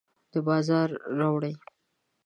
د بازار راوړي